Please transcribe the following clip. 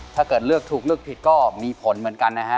ถ้าเกิดเลือกถูกเลือกผิดก็มีผลเหมือนกันนะฮะ